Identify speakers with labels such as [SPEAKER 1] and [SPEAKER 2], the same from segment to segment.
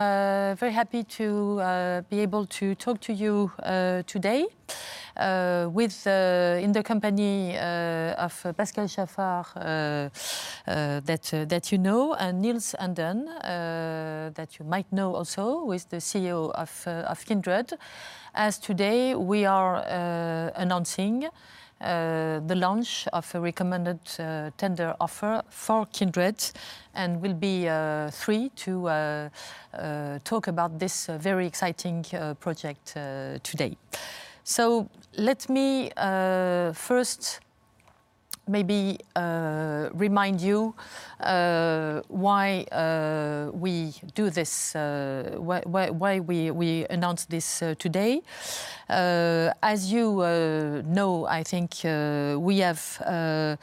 [SPEAKER 1] Very happy to be able to talk to you today, with in the company of Pascal Chaffard, that you know, and Nils Andén, that you might know also, who is the CEO of Kindred. As today, we are announcing the launch of a recommended tender offer for Kindred, and we'll be three to talk about this very exciting project today. So let me first maybe remind you why we do this, why we announce this today. As you know, I think, we have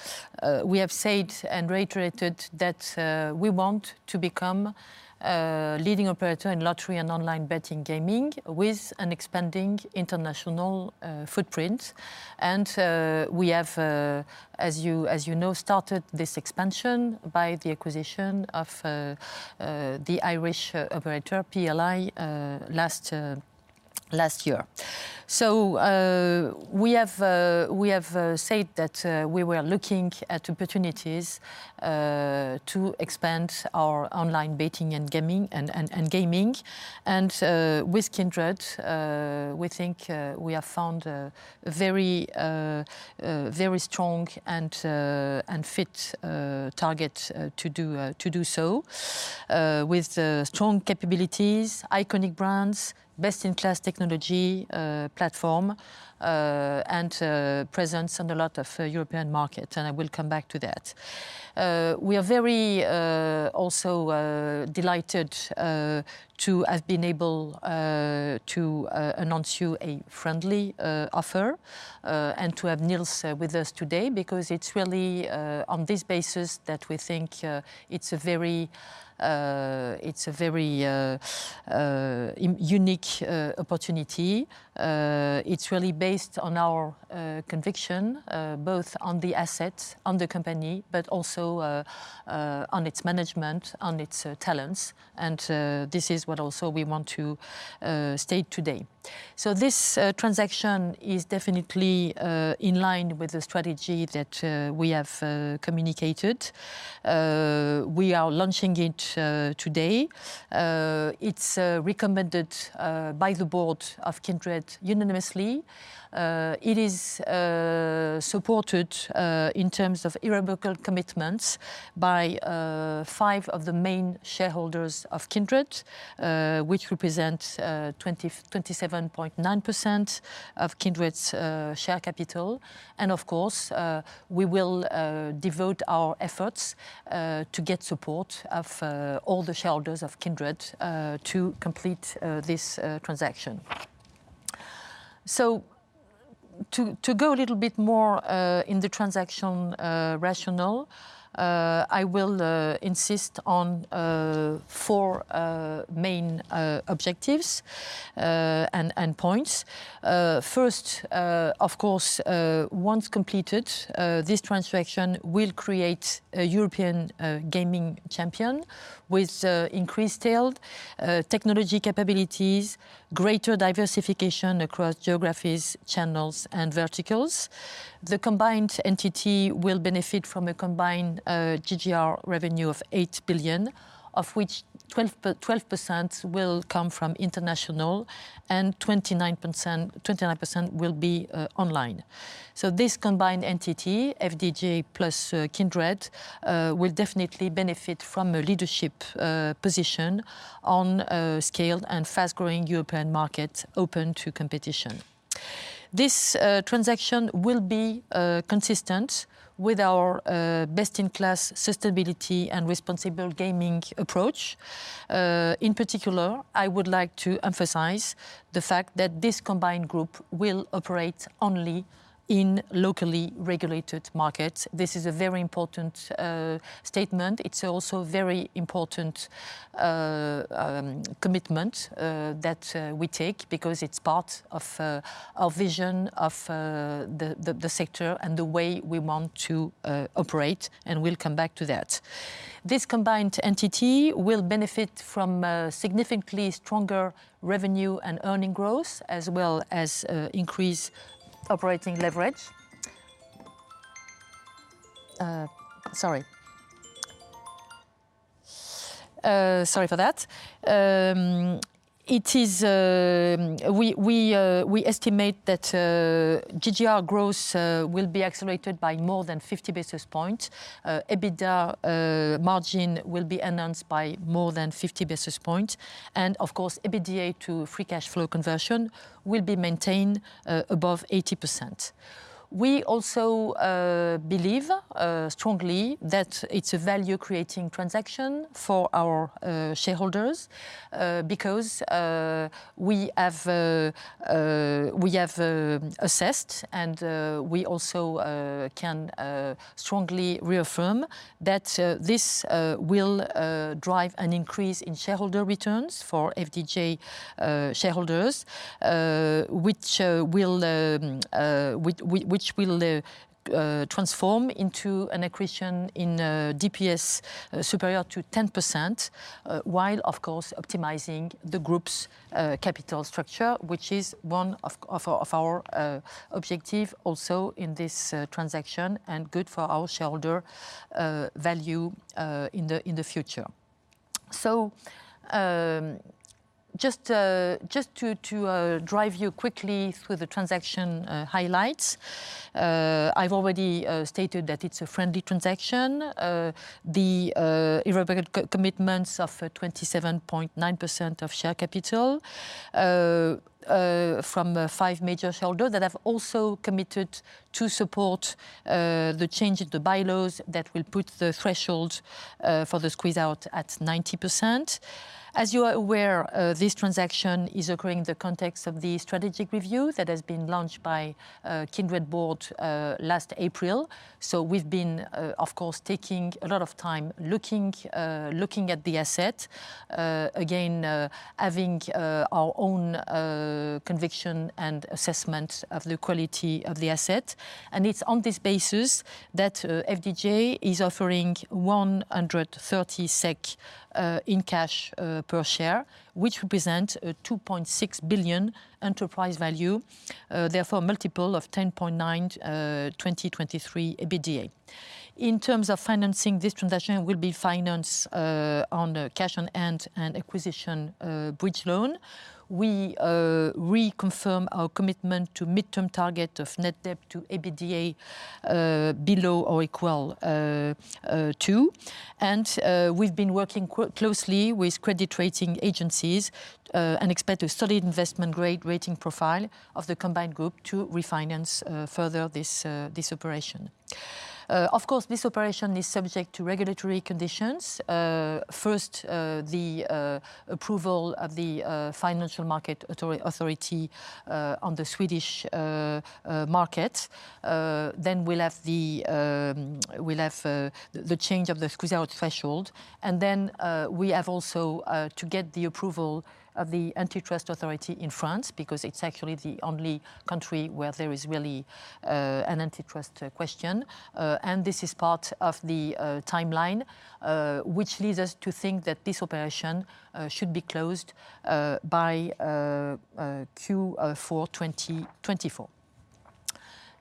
[SPEAKER 1] we have said and reiterated that we want to become a leading operator in lottery and online betting gaming, with an expanding international footprint. As you know, we have started this expansion by the acquisition of the Irish operator, PLI, last year. We have said that we were looking at opportunities to expand our online betting and gaming, and gaming. With Kindred, we think we have found a very strong and fit target to do so. With strong capabilities, iconic brands, best-in-class technology, platform, and presence in a lot of European markets, and I will come back to that. We are very also delighted to have been able to announce you a friendly offer and to have Nils with us today, because it's really on this basis that we think it's a very unique opportunity. It's really based on our conviction both on the assets, on the company, but also on its management, on its talents, and this is what also we want to state today. So this transaction is definitely in line with the strategy that we have communicated. We are launching it today. It's recommended by the board of Kindred unanimously. It is supported in terms of irrevocable commitments by five of the main shareholders of Kindred, which represent 20-27.9% of Kindred's share capital. Of course, we will devote our efforts to get support of all the shareholders of Kindred to complete this transaction. To go a little bit more in the transaction rationale, I will insist on four main objectives and points. First, of course, once completed, this transaction will create a European gaming champion with increased scale, technology capabilities, greater diversification across geographies, channels, and verticals. The combined entity will benefit from a combined GGR revenue of 8 billion, of which 12% will come from international, and 29%... 29% will be online. So this combined entity, FDJ plus Kindred, will definitely benefit from a leadership position on a scale and fast-growing European market open to competition. This transaction will be consistent with our best-in-class sustainability and responsible gaming approach. In particular, I would like to emphasize the fact that this combined group will operate only in locally regulated markets. This is a very important statement. It's also a very important commitment that we take, because it's part of our vision of the sector and the way we want to operate, and we'll come back to that. This combined entity will benefit from significantly stronger revenue and earnings growth, as well as increased operating leverage. Sorry. Sorry for that. It is... We estimate that GGR growth will be accelerated by more than 50 basis points. EBITDA margin will be enhanced by more than 50 basis points, and of course, EBITDA to free cash flow conversion will be maintained above 80%. We also believe strongly that it's a value-creating transaction for our shareholders because we have assessed, and we also can strongly reaffirm that this will drive an increase in shareholder returns for FDJ shareholders, which will transform into an accretion in DPS superior to 10%, while, of course, optimizing the group's capital structure, which is one of our objective also in this transaction, and good for our shareholder value in the future. So, just to drive you quickly through the transaction highlights, I've already stated that it's a friendly transaction. The irrevocable commitments of 27.9% of share capital from five major shareholders that have also committed to support the change in the bylaws that will put the threshold for the squeeze-out at 90%. As you are aware, this transaction is occurring in the context of the strategic review that has been launched by the Kindred board last April. So we've been, of course, taking a lot of time looking at the asset again, having our own conviction and assessment of the quality of the asset, and it's on this basis that FDJ is offering 130 SEK in cash per share, which represent a 2.6 billion enterprise value, therefore multiple of 10.9x 2023 EBITDA. In terms of financing, this transaction will be financed on the cash on hand and acquisition bridge loan. We reconfirm our commitment to midterm target of net debt to EBITDA below or equal to 2, and we've been working closely with credit rating agencies and expect a solid investment grade rating profile of the combined group to refinance further this operation. Of course, this operation is subject to regulatory conditions. First, the approval of the financial market authority on the Swedish market. Then we'll have the change of the squeeze-out threshold, and then we have also to get the approval of the Antitrust Authority in France because it's actually the only country where there is really an antitrust question. And this is part of the timeline which leads us to think that this operation should be closed by Q4 2024.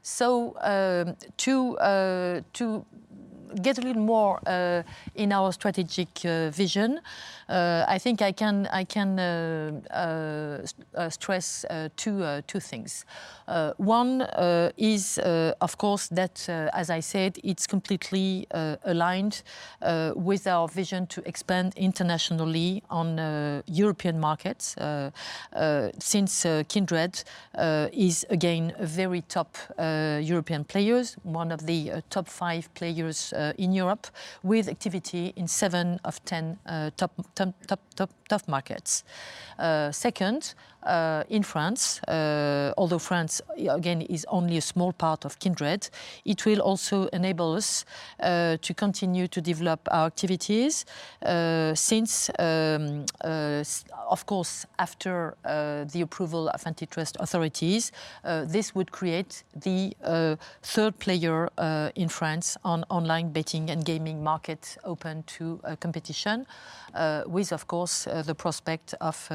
[SPEAKER 1] So, to get a little more in our strategic vision, I think I can stress two things. One is of course that, as I said, it's completely aligned with our vision to expand internationally on European markets since Kindred is again a very top European players, one of the top five players in Europe with activity in seven of 10 top markets. Second, in France, although France, again, is only a small part of Kindred, it will also enable us to continue to develop our activities, since, of course, after the approval of antitrust authorities, this would create the third player in France on online betting and gaming market open to competition, with, of course, the prospect of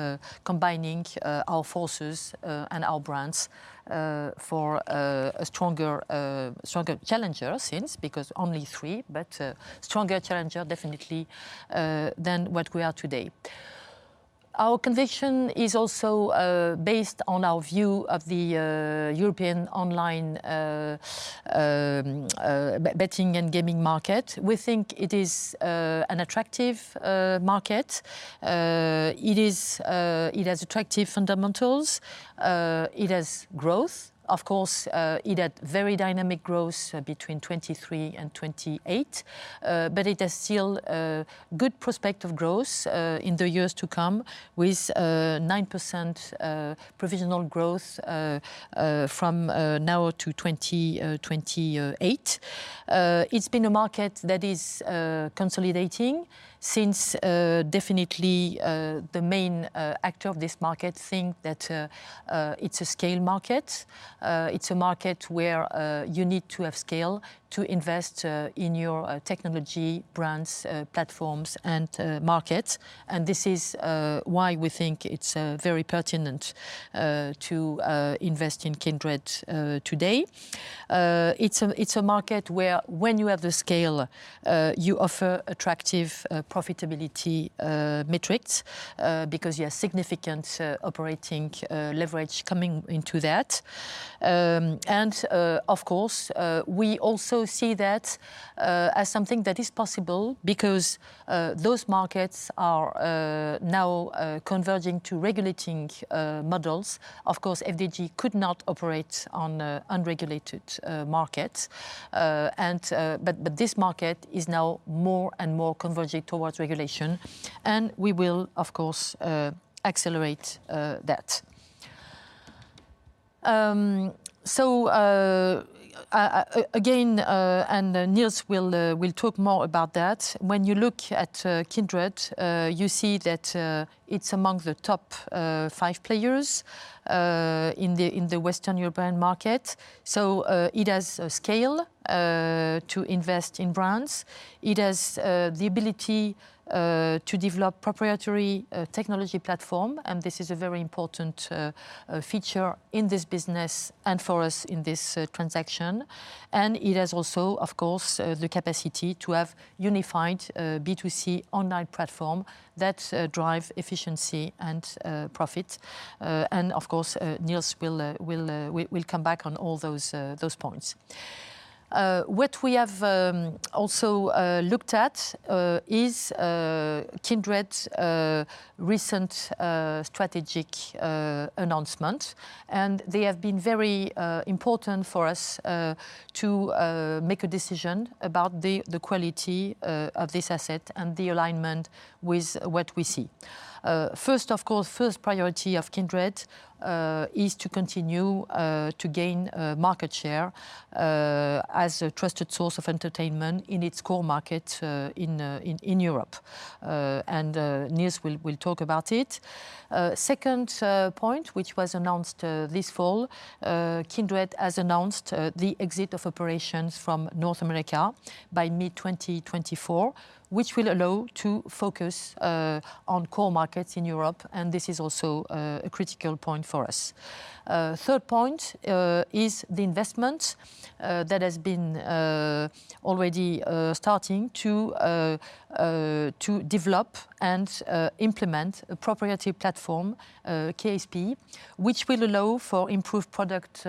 [SPEAKER 1] combining our forces and our brands for a stronger challenger since, because only three, but stronger challenger definitely than what we are today. Our conviction is also based on our view of the European online betting and gaming market. We think it is an attractive market. It is, it has attractive fundamentals. It has growth. Of course, it had very dynamic growth between 2023 and 2028, but it has still a good prospect of growth in the years to come, with 9% provisional growth from now to 2028. It's been a market that is consolidating since definitely the main actor of this market think that it's a scale market. It's a market where you need to have scale to invest in your technology, brands, platforms, and markets, and this is why we think it's very pertinent to invest in Kindred today. It's a, it's a market where when you have the scale you offer attractive profitability metrics because you have significant operating leverage coming into that. And, of course, we also see that as something that is possible because those markets are now converging to regulating models. Of course, FDJ could not operate on unregulated markets and... but this market is now more and more converging towards regulation, and we will, of course, accelerate that. So, again, Nils will talk more about that. When you look at Kindred, you see that it's among the top five players in the Western European market, so it has a scale to invest in brands. It has the ability to develop proprietary technology platform, and this is a very important feature in this business and for us in this transaction, and it has also, of course, the capacity to have unified B2C online platform that drive efficiency and profit. And of course, Nils will come back on all those points. What we have also looked at is Kindred's recent strategic announcement, and they have been very important for us to make a decision about the quality of this asset and the alignment with what we see. First, of course, first priority of Kindred is to continue to gain market share as a trusted source of entertainment in its core market in Europe, and Nils will talk about it. Second point, which was announced this fall, Kindred has announced the exit of operations from North America by mid-2024, which will allow to focus on core markets in Europe, and this is also a critical point for us. Third point is the investment that has been already starting to develop and implement a proprietary platform, KSP, which will allow for improved product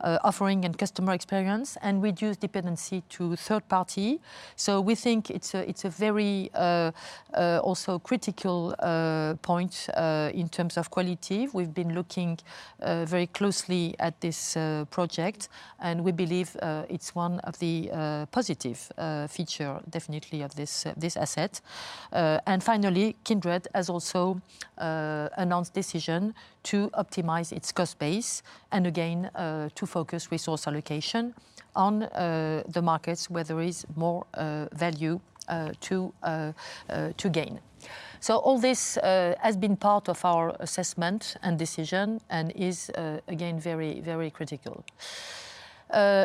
[SPEAKER 1] offering and customer experience, and reduce dependency to third party. So we think it's a very also critical point in terms of quality. We've been looking very closely at this project, and we believe it's one of the positive feature definitely of this asset. And finally, Kindred has also announced decision to optimize its cost base, and again to focus resource allocation on the markets where there is more value to gain. So all this has been part of our assessment and decision, and is again very very critical.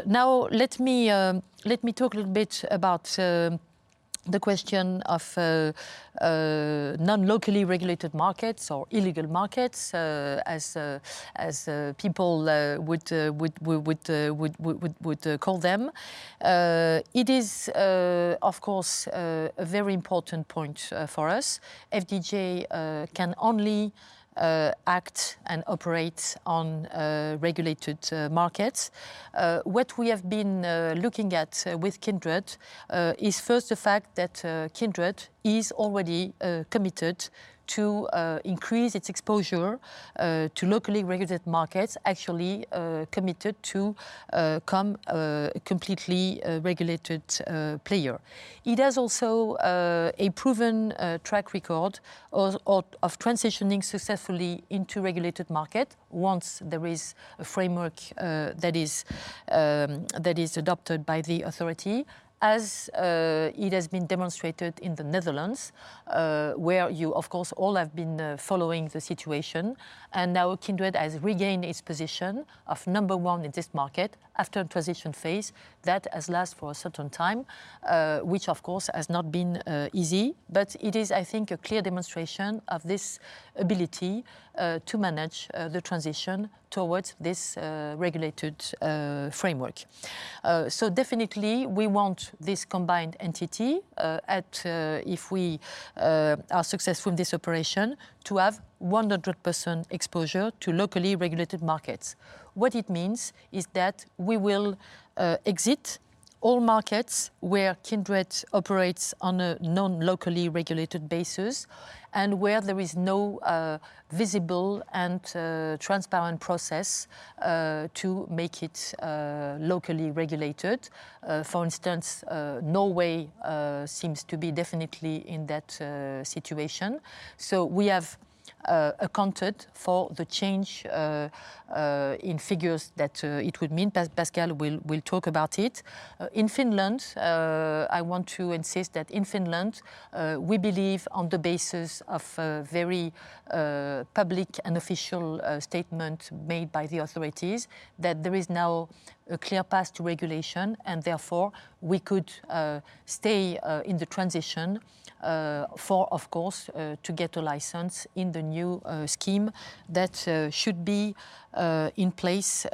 [SPEAKER 1] Now let me talk a little bit about the question of non-locally regulated markets or illegal markets as people would call them. It is, of course, a very important point for us. FDJ can only act and operate on regulated markets. What we have been looking at with Kindred is first the fact that Kindred is already committed to increase its exposure to locally regulated markets, actually committed to come a completely regulated player. It has also a proven track record of transitioning successfully into regulated market once there is a framework that is adopted by the authority, as it has been demonstrated in the Netherlands, where you, of course, all have been following the situation. And now Kindred has regained its position of number one in this market after a transition phase that has lasted for a certain time, which of course has not been easy, but it is, I think, a clear demonstration of this ability to manage the transition towards this regulated framework. So definitely we want this combined entity that if we are successful in this operation to have 100% exposure to locally regulated markets. What it means is that we will exit all markets where Kindred operates on a non-locally regulated basis, and where there is no visible and transparent process to make it locally regulated. For instance, Norway seems to be definitely in that situation. So we have accounted for the change in figures that it would mean. Pascal will talk about it. In Finland, I want to insist that in Finland, we believe on the basis of a very public and official statement made by the authorities, that there is now a clear path to regulation, and therefore, we could stay in the transition for, of course, to get a license in the new scheme that should be in place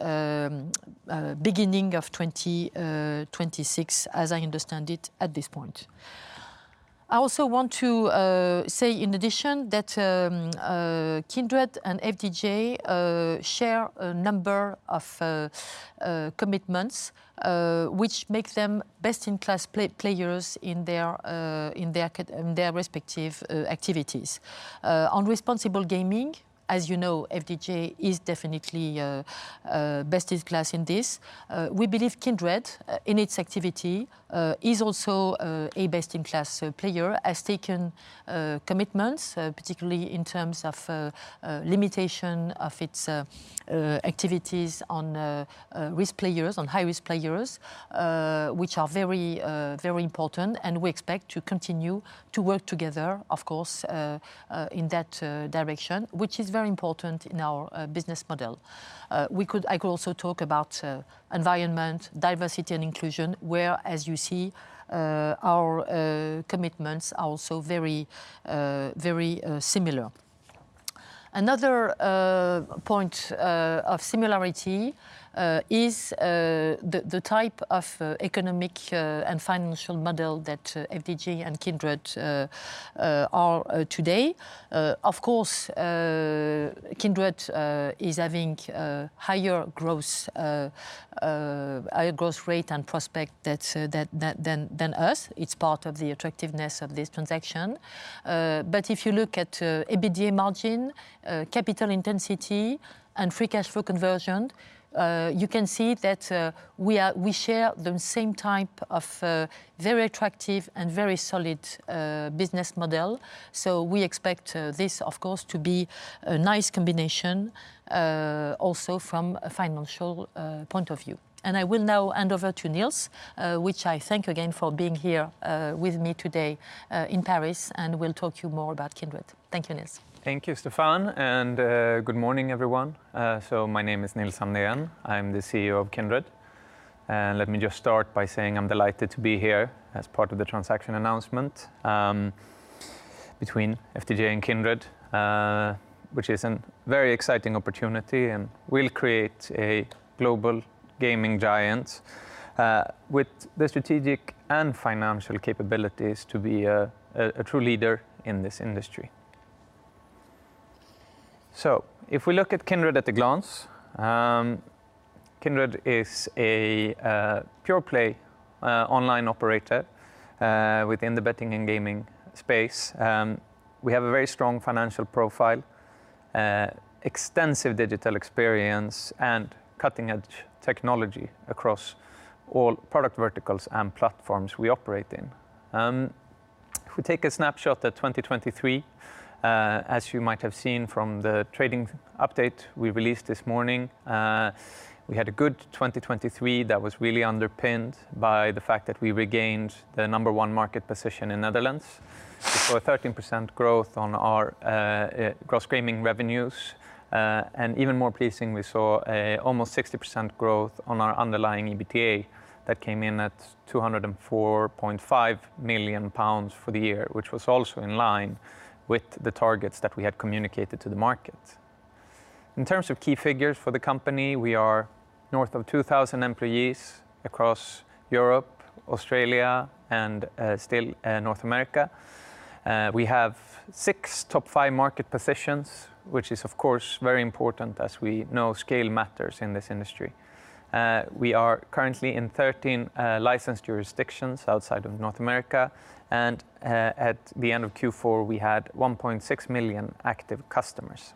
[SPEAKER 1] beginning of 2026, as I understand it at this point. I also want to say in addition, that Kindred and FDJ share a number of commitments, which make them best-in-class players in their in their respective activities. On responsible gaming, as you know, FDJ is definitely best-in-class in this. We believe Kindred in its activity is also a best-in-class player, has taken commitments particularly in terms of limitation of its activities on risk players, on high-risk players, which are very very important, and we expect to continue to work together, of course, in that direction, which is very important in our business model. I could also talk about environment, diversity, and inclusion, where, as you see, our commitments are also very very similar. Another point of similarity is the type of economic and financial model that FDJ and Kindred are today. Of course, Kindred is having higher growth rate and prospect than us. It's part of the attractiveness of this transaction. But if you look at EBITDA margin, capital intensity, and free cash flow conversion, you can see that we share the same type of very attractive and very solid business model. So we expect this, of course, to be a nice combination also from a financial point of view. I will now hand over to Nils, which I thank again for being here with me today in Paris, and will talk to you more about Kindred. Thank you, Nils.
[SPEAKER 2] Thank you, Stéphane, and, good morning, everyone. So my name is Nils Andén. I'm the CEO of Kindred, and let me just start by saying I'm delighted to be here as part of the transaction announcement, between FDJ and Kindred, which is a very exciting opportunity, and will create a global gaming giant, with the strategic and financial capabilities to be a, a true leader in this industry. So if we look at Kindred at a glance, Kindred is a, pure-play, online operator, within the betting and gaming space. We have a very strong financial profile, extensive digital experience, and cutting-edge technology across all product verticals and platforms we operate in. If we take a snapshot at 2023, as you might have seen from the trading update we released this morning, we had a good 2023 that was really underpinned by the fact that we regained the number one market position in Netherlands, saw a 13% growth on our gross gaming revenues, and even more pleasing, we saw an almost 60% growth on our underlying EBITDA that came in at 204.5 million pounds for the year, which was also in line with the targets that we had communicated to the market. In terms of key figures for the company, we are north of 2,000 employees across Europe, Australia, and still North America. We have six top five market positions, which is, of course, very important, as we know scale matters in this industry. We are currently in 13 licensed jurisdictions outside of North America, and at the end of Q4, we had 1.6 million active customers.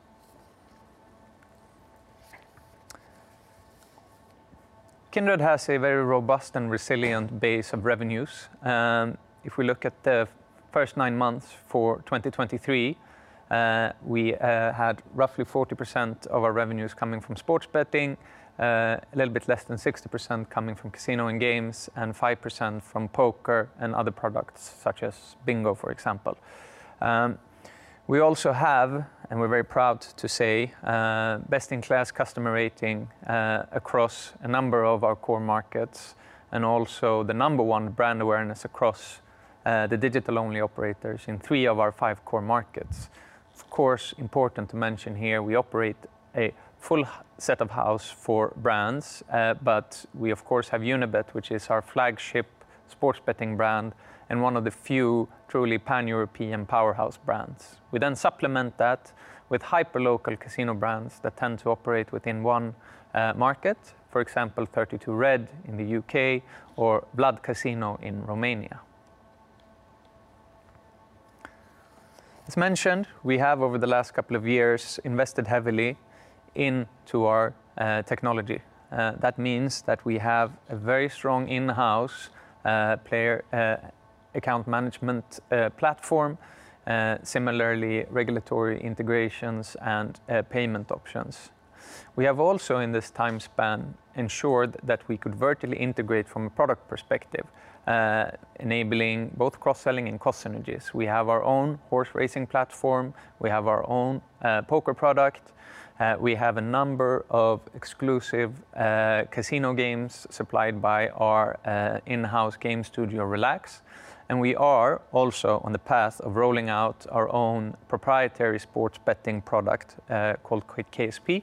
[SPEAKER 2] Kindred has a very robust and resilient base of revenues, and if we look at the first nine months for 2023, we had roughly 40% of our revenues coming from sports betting, a little bit less than 60% coming from casino and games, and 5% from poker and other products, such as bingo, for example. We also have, and we're very proud to say, best-in-class customer rating across a number of our core markets, and also the number one brand awareness across the digital-only operators in three of our five core markets. Of course, important to mention here, we operate a full set of in-house brands, but we, of course, have Unibet, which is our flagship sports betting brand and one of the few truly Pan-European powerhouse brands. We then supplement that with hyperlocal casino brands that tend to operate within one market, for example, 32Red in the UK or Vlad Casino in Romania. As mentioned, we have, over the last couple of years, invested heavily into our technology. That means that we have a very strong in-house player account management platform, similarly, regulatory integrations and payment options. We have also, in this time span, ensured that we could vertically integrate from a product perspective, enabling both cross-selling and cost synergies. We have our own horse racing platform. We have our own poker product. We have a number of exclusive casino games supplied by our in-house game studio, Relax, and we are also on the path of rolling out our own proprietary sports betting product called KSP,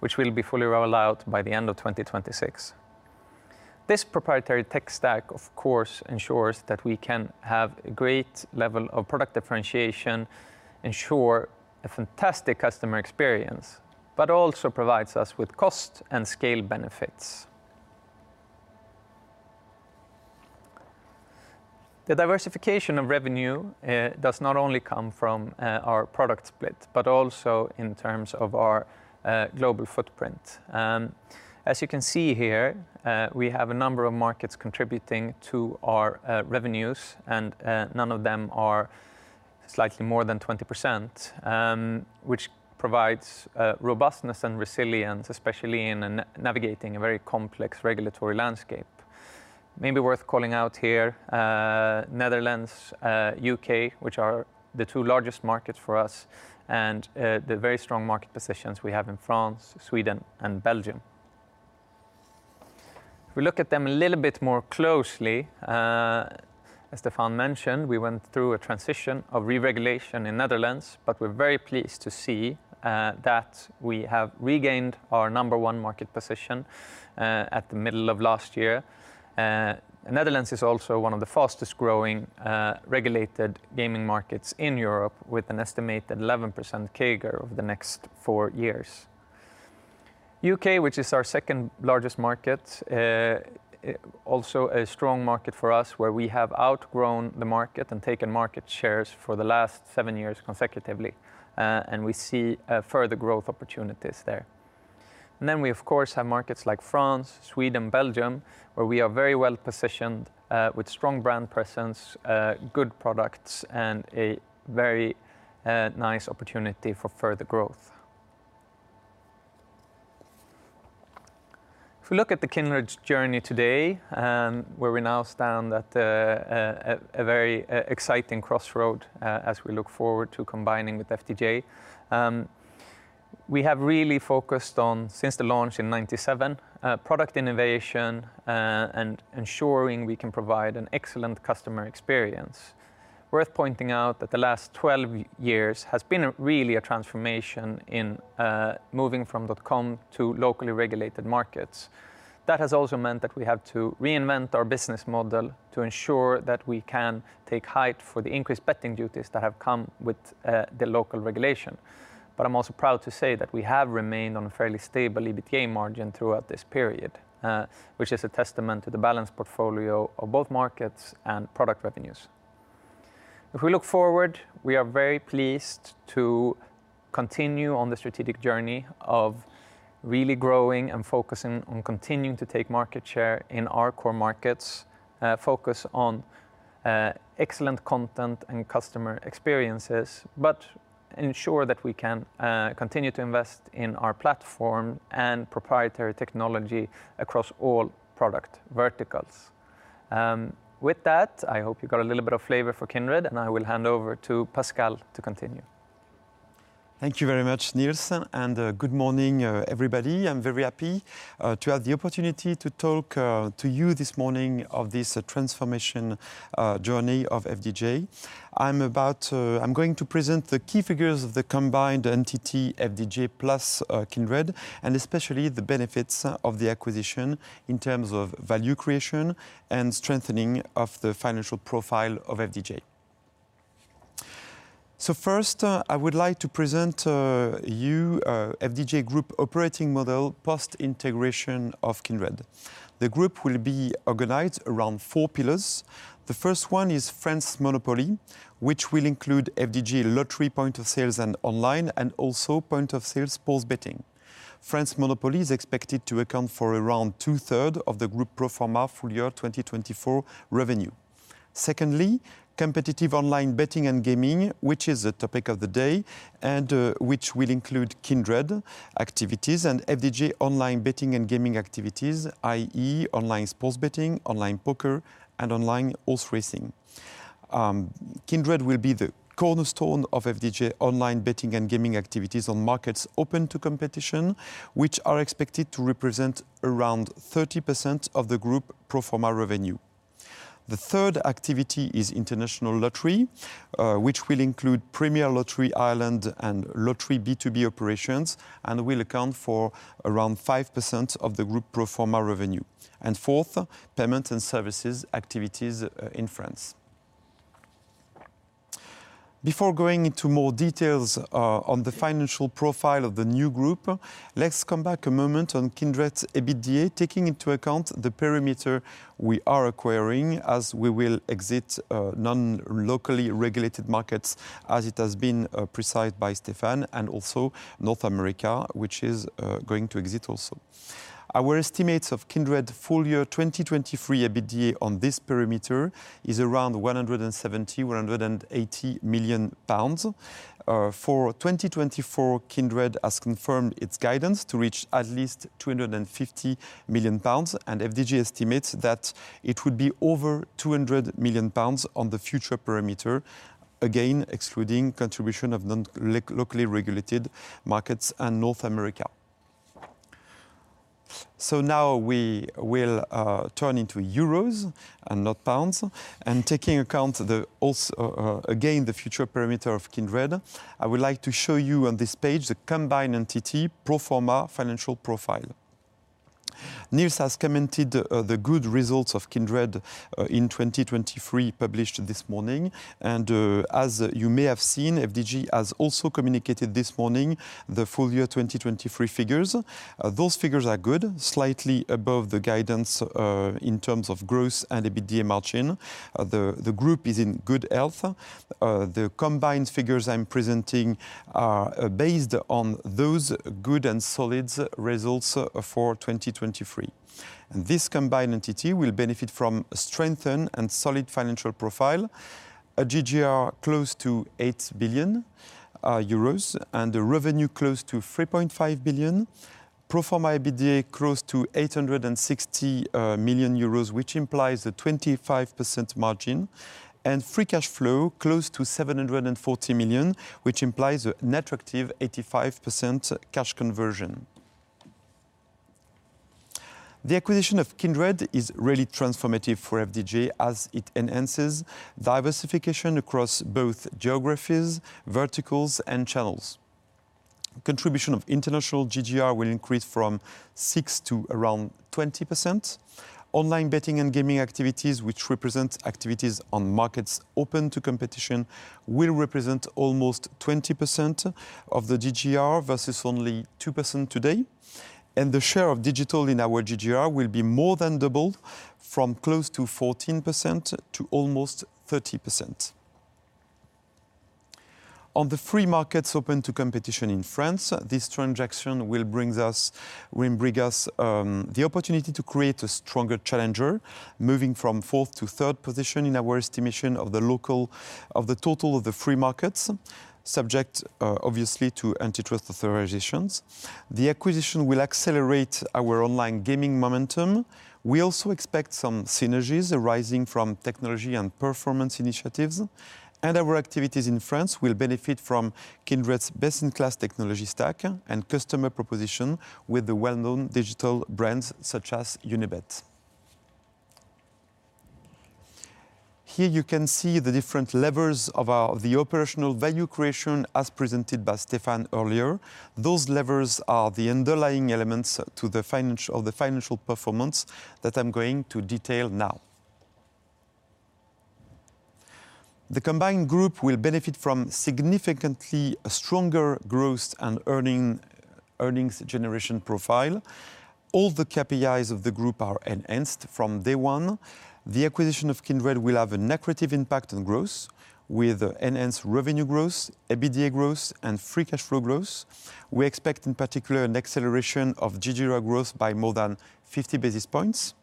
[SPEAKER 2] which will be fully rolled out by the end of 2026. This proprietary tech stack, of course, ensures that we can have a great level of product differentiation, ensure a fantastic customer experience, but also provides us with cost and scale benefits. The diversification of revenue does not only come from our product split, but also in terms of our global footprint. As you can see here, we have a number of markets contributing to our revenues, and none of them are slightly more than 20%, which provides robustness and resilience, especially in navigating a very complex regulatory landscape. Maybe worth calling out here, Netherlands, U.K., which are the 2 largest markets for us, and the very strong market positions we have in France, Sweden, and Belgium. If we look at them a little bit more closely, as Stefan mentioned, we went through a transition of re-regulation in Netherlands, but we're very pleased to see that we have regained our number one market position at the middle of last year. Netherlands is also one of the fastest growing regulated gaming markets in Europe, with an estimated 11% CAGR over the next four years. U.K., which is our second-largest market, is also a strong market for us, where we have outgrown the market and taken market shares for the last seven years consecutively, and we see further growth opportunities there. And then we, of course, have markets like France, Sweden, Belgium, where we are very well-positioned, with strong brand presence, good products and a very nice opportunity for further growth. If we look at the Kindred journey today, where we now stand at a very exciting crossroad as we look forward to combining with FDJ, we have really focused on, since the launch in 1997, product innovation, and ensuring we can provide an excellent customer experience. Worth pointing out that the last 12 years has been a really transformation in moving from .com to locally regulated markets. That has also meant that we have to reinvent our business model to ensure that we can take height for the increased betting duties that have come with the local regulation. But I'm also proud to say that we have remained on a fairly stable EBITDA margin throughout this period, which is a testament to the balanced portfolio of both markets and product revenues. If we look forward, we are very pleased to continue on the strategic journey of really growing and focusing on continuing to take market share in our core markets, focus on excellent content and customer experiences, but ensure that we can continue to invest in our platform and proprietary technology across all product verticals. With that, I hope you got a little bit of flavor for Kindred, and I will hand over to Pascal to continue.
[SPEAKER 3] Thank you very much, Nils, and good morning, everybody. I'm very happy to have the opportunity to talk to you this morning of this transformation journey of FDJ. I'm going to present the key figures of the combined entity, FDJ plus Kindred, and especially the benefits of the acquisition in terms of value creation and strengthening of the financial profile of FDJ. First, I would like to present to you the FDJ group operating model post-integration of Kindred. The group will be organized around four pillars. The first one is France Monopoly, which will include FDJ lottery point of sales and online, and also point of sales sports betting. France Monopoly is expected to account for around two-thirds of the group pro forma full year 2024 revenue. Secondly, competitive online betting and gaming, which is the topic of the day, and which will include Kindred activities and FDJ online betting and gaming activities, i.e., online sports betting, online poker, and online horse racing. Kindred will be the cornerstone of FDJ online betting and gaming activities on markets open to competition, which are expected to represent around 30% of the group pro forma revenue. The third activity is international lottery, which will include Premier Lotteries Ireland, and Lottery B2B operations, and will account for around 5% of the group pro forma revenue. And fourth, payment and services activities, in France. Before going into more details on the financial profile of the new group, let's come back a moment on Kindred's EBITDA, taking into account the perimeter we are acquiring, as we will exit non-locally regulated markets, as it has been specified by Stéphane and also North America, which is going to exit also. Our estimates of Kindred full year 2023 EBITDA on this perimeter is around 170 million-180 million pounds. For 2024, Kindred has confirmed its guidance to reach at least 250 million pounds, and FDJ estimates that it would be over 200 million pounds on the future perimeter. Again, excluding contribution of non-locally regulated markets and North America. So now we will turn into euros and not pounds, and taking account the also, again, the future perimeter of Kindred, I would like to show you on this page the combined entity pro forma financial profile. Nils has commented the good results of Kindred in 2023, published this morning. And as you may have seen, FDJ has also communicated this morning the full year 2023 figures. Those figures are good, slightly above the guidance in terms of growth and EBITDA margin. The group is in good health. The combined figures I'm presenting are based on those good and solid results for 2023. And this combined entity will benefit from stronger and solid financial profile, a GGR close to 8 billion euros, and a revenue close to 3.5 billion. Pro forma EBITDA close to 860 million euros, which implies a 25% margin, and free cash flow close to 740 million, which implies an attractive 85% cash conversion. The acquisition of Kindred is really transformative for FDJ as it enhances diversification across both geographies, verticals, and channels. Contribution of international GGR will increase from 6% to around 20%. Online betting and gaming activities, which represent activities on markets open to competition, will represent almost 20% of the GGR versus only 2% today, and the share of digital in our GGR will be more than double, from close to 14% to almost 30%. On the free markets open to competition in France, this transaction will bring us the opportunity to create a stronger challenger, moving from fourth to third position in our estimation of the local, of the total of the free markets, subject, obviously, to antitrust authorizations. The acquisition will accelerate our online gaming momentum. We also expect some synergies arising from technology and performance initiatives, and our activities in France will benefit from Kindred's best-in-class technology stack and customer proposition with the well-known digital brands such as Unibet. Here you can see the different levers of our, the operational value creation, as presented by Stéphane earlier. Those levers are the underlying elements to the financial of the financial performance that I'm going to detail now. The combined group will benefit from significantly stronger growth and earning, earnings generation profile. All the KPIs of the group are enhanced from day one. The acquisition of Kindred will have an accretive impact on growth, with enhanced revenue growth, EBITDA growth, and free cash flow growth. We expect, in particular, an acceleration of GGR growth by more than 50 basis points.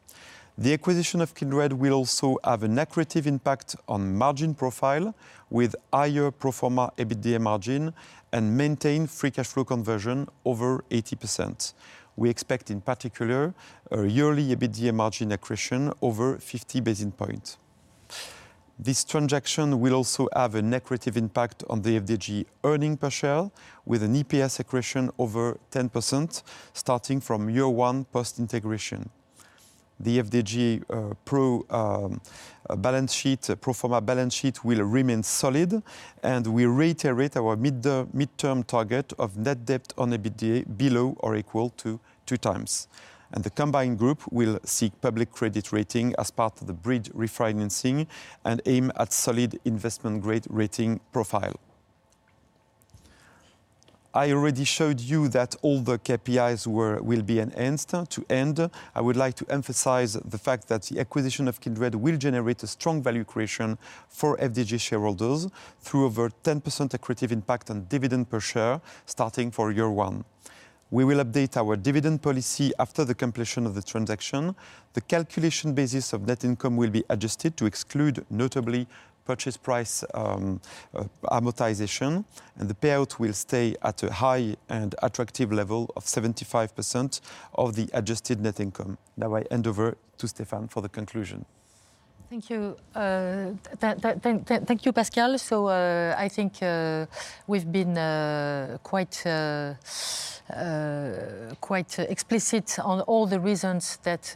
[SPEAKER 3] The acquisition of Kindred will also have an accretive impact on margin profile, with higher pro forma EBITDA margin and maintain free cash flow conversion over 80%. We expect, in particular, a yearly EBITDA margin accretion over 50 basis points. This transaction will also have an accretive impact on the FDJ earnings per share, with an EPS accretion over 10%, starting from year one post-integration. The FDJ pro forma balance sheet will remain solid, and we reiterate our mid-term target of net debt on EBITDA below or equal to 2x. The combined group will seek public credit rating as part of the bridge refinancing and aim at solid investment grade rating profile. I already showed you that all the KPIs were, will be enhanced. To end, I would like to emphasize the fact that the acquisition of Kindred will generate a strong value creation for FDJ shareholders through over 10% accretive impact on dividend per share, starting for year one. We will update our dividend policy after the completion of the transaction. The calculation basis of net income will be adjusted to exclude, notably, purchase price, amortization, and the payout will stay at a high and attractive level of 75% of the adjusted net income. Now I hand over to Stéphane for the conclusion.
[SPEAKER 1] Thank you, thank you, Pascal. So, I think we've been quite explicit on all the reasons that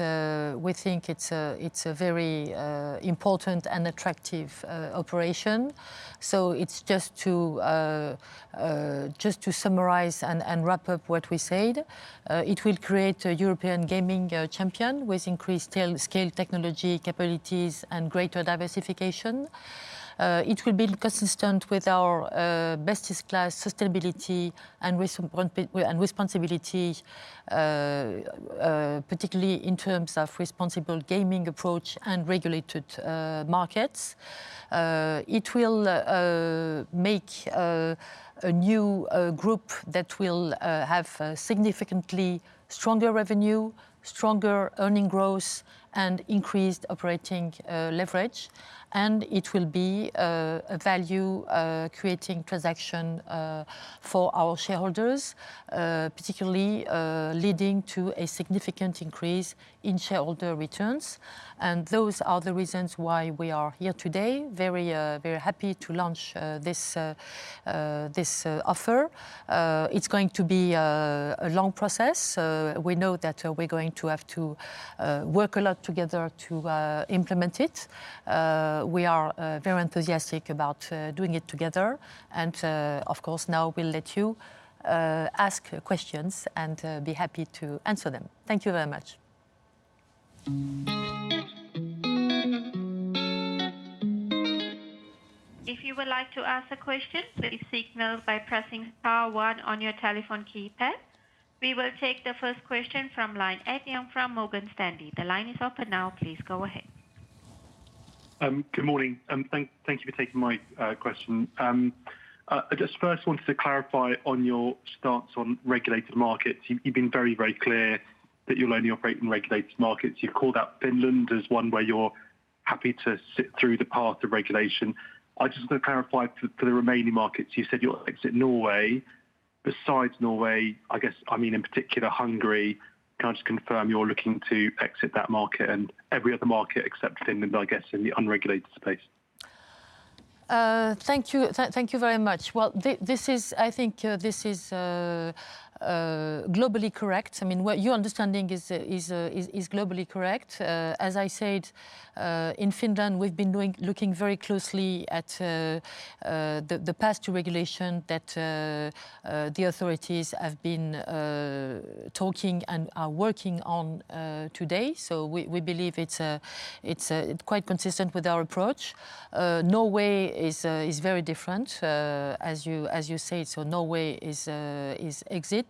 [SPEAKER 1] we think it's a very important and attractive operation. So it's just to summarize and wrap up what we said. It will create a European gaming champion with increased scale technology, capabilities, and greater diversification. It will be consistent with our best-in-class sustainability and responsibility, particularly in terms of responsible gaming approach and regulated markets. It will make a new group that will have a significantly stronger revenue, stronger earnings growth, and increased operating leverage, and it will be a value creating transaction for our shareholders, particularly leading to a significant increase in shareholder returns. Those are the reasons why we are here today. Very, very happy to launch this offer. It's going to be a long process, so we know that we're going to have to work a lot together to implement it. We are very enthusiastic about doing it together, and, of course, now we'll let you ask questions and be happy to answer them. Thank you very much.
[SPEAKER 4] If you would like to ask a question, please signal by pressing star 1 on your telephone keypad. We will take the first question from line eight, and from Morgan Stanley. The line is open now. Please go ahead.
[SPEAKER 5] Good morning, and thank you for taking my question. I just first wanted to clarify on your stance on regulated markets. You've been very, very clear that you'll only operate in regulated markets. You called out Finland as one where you're happy to sit through the path of regulation. I just want to clarify for the remaining markets. You said you'll exit Norway. Besides Norway, I guess, I mean, in particular, Hungary, can you just confirm you're looking to exit that market and every other market except Finland, I guess, in the unregulated space?
[SPEAKER 1] Thank you. Thank you very much. Well, this is, I think, this is globally correct. I mean, what you're understanding is globally correct. As I said, in Finland, we've been looking very closely at the past regulation that the authorities have been talking and are working on today. So we believe it's quite consistent with our approach. Norway is very different, as you say, so Norway is exit.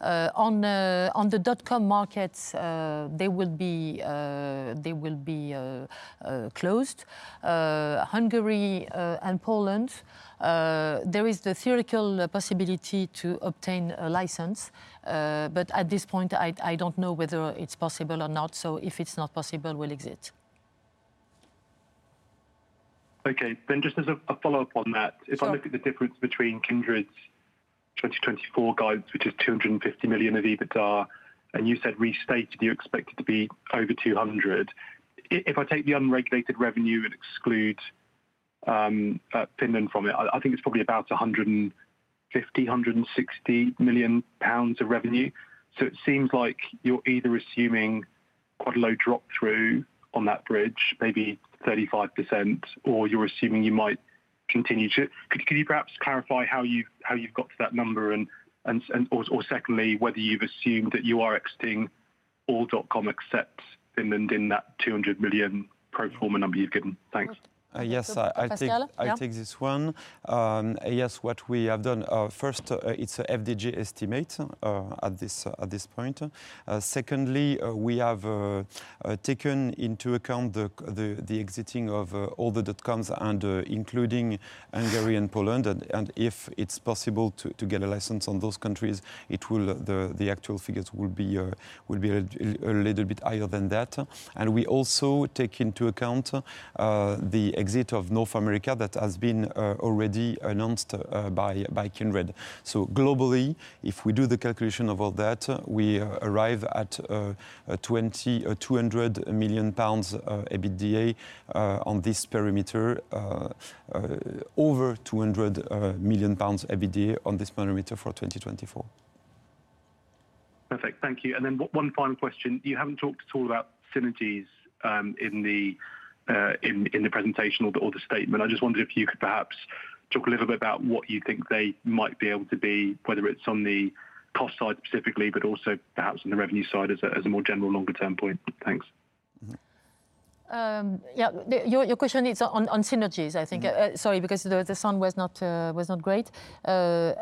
[SPEAKER 1] On the dotcom markets, they will be closed. Hungary and Poland, there is the theoretical possibility to obtain a license, but at this point, I don't know whether it's possible or not, so if it's not possible, we'll exit.
[SPEAKER 5] Okay. Then just as a follow-up on that-
[SPEAKER 1] Sorry.
[SPEAKER 5] If I look at the difference between Kindred's 2024 guides, which is 250 million of EBITDA, and you said restated, you expect it to be over 200 million. If I take the unregulated revenue and exclude Finland from it, I think it's probably about 150-160 million pounds of revenue. So it seems like you're either assuming quite a low drop-through on that bridge, maybe 35%, or you're assuming you might continue to... Could you perhaps clarify how you've got to that number and, or secondly, whether you've assumed that you are exiting all dotcom except Finland in that 200 million pro forma number you've given? Thanks.
[SPEAKER 3] Yes, I take-
[SPEAKER 1] Pascal, yeah.
[SPEAKER 3] I take this one. Yes, what we have done, first, it's a FDJ estimate at this point. Secondly, we have taken into account the exiting of all the dotcoms and including Hungary and Poland. And if it's possible to get a license in those countries, the actual figures will be a little bit higher than that. And we also take into account the exit of North America that has been already announced by Kindred. So globally, if we do the calculation of all that, we arrive at two hundred million pounds of EBITDA on this perimeter, over two hundred million pounds EBITDA on this perimeter for 2024.
[SPEAKER 5] Perfect. Thank you. And then one final question. You haven't talked at all about synergies in the presentation or the statement. I just wondered if you could perhaps talk a little bit about what you think they might be able to be, whether it's on the cost side specifically, but also perhaps on the revenue side as a more general longer-term point. Thanks.
[SPEAKER 1] Yeah. Your question is on synergies, I think.
[SPEAKER 3] Yeah.
[SPEAKER 1] Sorry, because the sound was not great. Our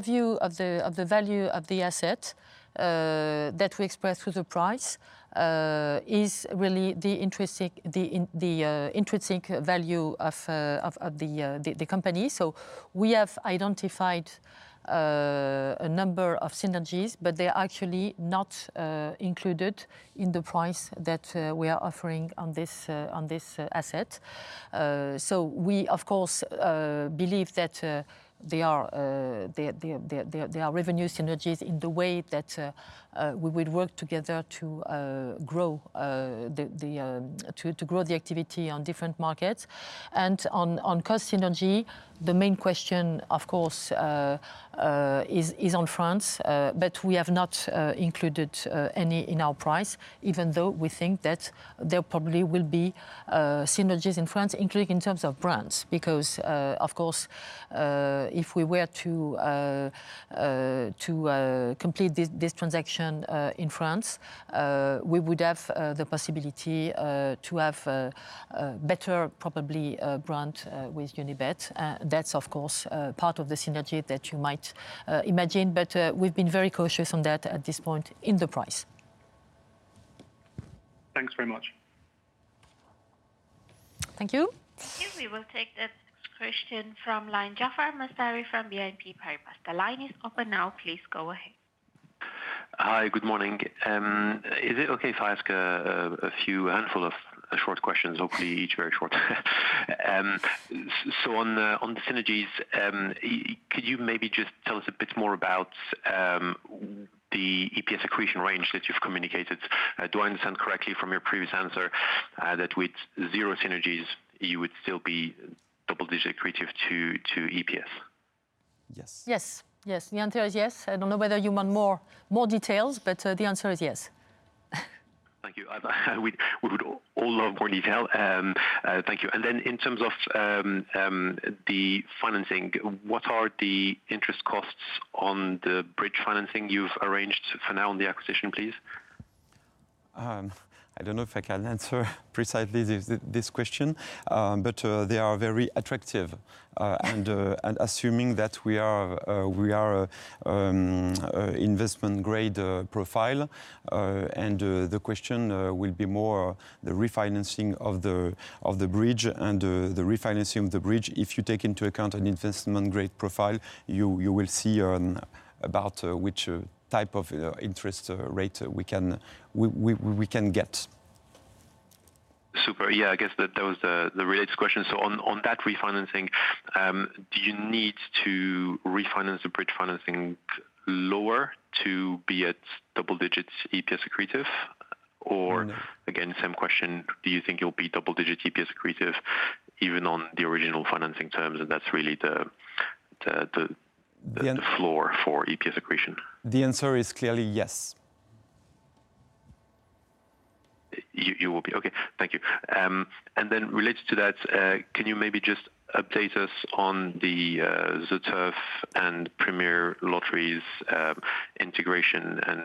[SPEAKER 1] view of the value of the asset that we express through the price is really the intrinsic value of the company. So we have identified a number of synergies, but they're actually not included in the price that we are offering on this asset. So we, of course, believe that there are revenue synergies in the way that we would work together to grow the activity on different markets. And on cost synergy, the main question, of course, is on France, but we have not included any in our price, even though we think that there probably will be synergies in France, including in terms of brands, because, of course, if we were to complete this transaction in France, we would have the possibility to have a better, probably, brand with Unibet. That's, of course, part of the synergy that you might imagine, but we've been very cautious on that at this point in the price.
[SPEAKER 5] Thanks very much.
[SPEAKER 1] Thank you.
[SPEAKER 4] We will take the question from line, Jaafar Mestari from BNP Paribas. The line is open now. Please go ahead.
[SPEAKER 6] Hi, good morning. Is it okay if I ask a few handful of short questions, hopefully each very short? So on the synergies, could you maybe just tell us a bit more about the EPS accretion range that you've communicated? Do I understand correctly from your previous answer, that with zero synergies, you would still be double digit accretive to EPS?
[SPEAKER 3] Yes.
[SPEAKER 1] Yes. Yes. The answer is yes. I don't know whether you want more details, but the answer is yes.
[SPEAKER 6] Thank you. We would all love more detail. Thank you. And then in terms of the financing, what are the interest costs on the bridge financing you've arranged for now on the acquisition, please?
[SPEAKER 3] I don't know if I can answer precisely this question, but they are very attractive. And assuming that we are investment-grade profile, and the question will be more the refinancing of the bridge and the refinancing of the bridge. If you take into account an investment-grade profile, you will see about which type of interest rate we can get.
[SPEAKER 6] Super. Yeah, I guess that was the related question. So on that refinancing, do you need to refinance the bridge financing lower to be at double digits EPS accretive? Or again, same question, do you think you'll be double-digit EPS accretive even on the original financing terms, and that's really the-
[SPEAKER 3] The an-
[SPEAKER 6] The floor for EPS accretion?
[SPEAKER 3] The answer is clearly yes.
[SPEAKER 6] Okay. Thank you. And then related to that, can you maybe just update us on the ZEturf and Premier Lotteries integration? And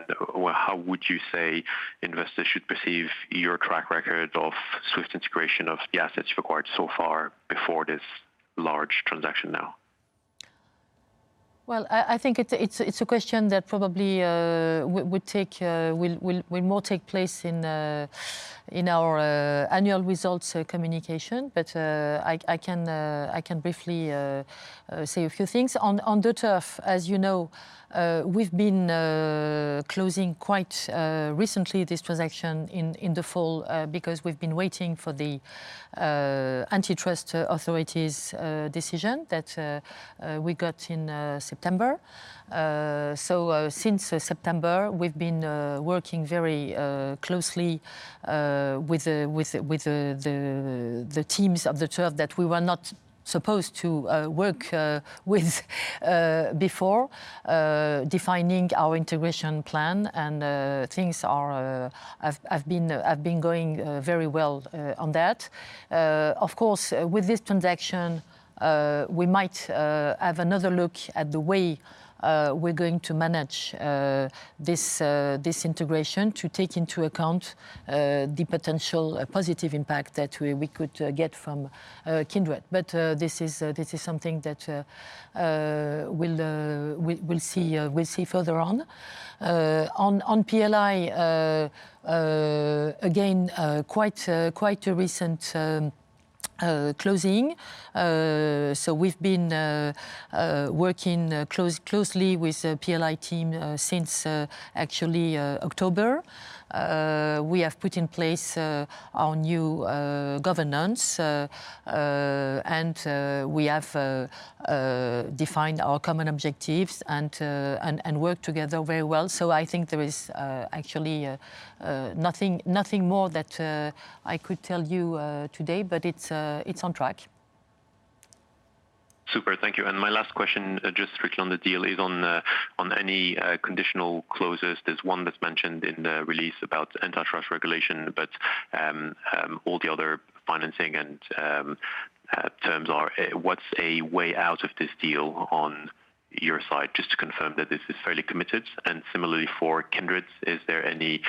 [SPEAKER 6] how would you say investors should perceive your track record of swift integration of the assets you've acquired so far before this large transaction now?
[SPEAKER 1] Well, I think it's a question that probably will take more place in our annual results communication. But I can briefly say a few things. On the turf, as you know, we've been closing quite recently this transaction in the fall, because we've been waiting for the antitrust authorities' decision that we got in September. So, since September, we've been working very closely with the teams of the turf that we were not supposed to work with before, defining our integration plan and things have been going very well on that. Of course, with this transaction, we might have another look at the way we're going to manage this integration to take into account the potential positive impact that we could get from Kindred. But this is something that we'll see further on. On PLI, again, quite a recent closing. So we've been working closely with the PLI team, since actually October. We have put in place our new governance and we have defined our common objectives and worked together very well. So I think there is actually nothing more that I could tell you today, but it's on track.
[SPEAKER 6] Super. Thank you. And my last question, just strictly on the deal, is on any conditional closes. There's one that's mentioned in the release about antitrust regulation, but all the other financing and terms are... What's a way out of this deal on your side, just to confirm that this is fairly committed? And similarly for Kindred, is there any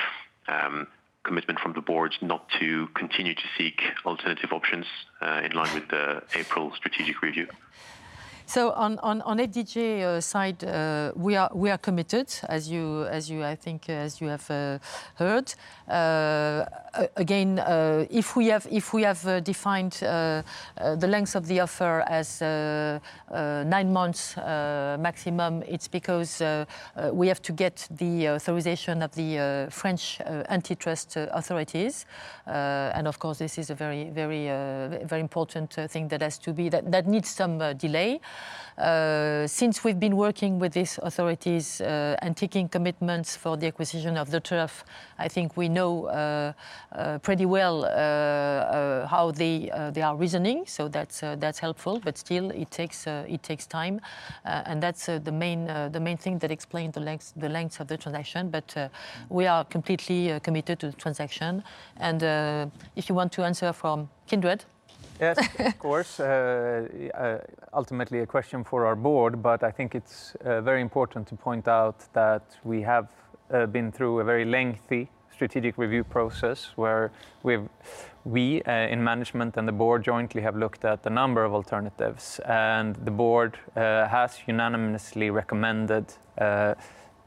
[SPEAKER 6] commitment from the boards not to continue to seek alternative options, in line with the April strategic review?
[SPEAKER 1] So, on the FDJ side, we are committed, as you, as you, I think, as you have heard. Again, if we have defined the length of the offer as nine months maximum, it's because we have to get the authorization of the French antitrust authorities. And of course, this is a very, very, very important thing that has to be. That needs some delay. Since we've been working with these authorities and taking commitments for the acquisition of ZEturf, I think we know pretty well how they are reasoning, so that's helpful. But still, it takes time. And that's the main, the main thing that explains the length, the length of the transaction. But, we are completely committed to the transaction. And, if you want to answer from Kindred?
[SPEAKER 2] Yes, of course. Ultimately, a question for our board, but I think it's very important to point out that we have been through a very lengthy strategic review process where we in management and the board jointly have looked at a number of alternatives, and the board has unanimously recommended